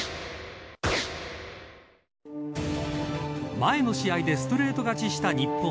前の試合でストレート勝ちした日本。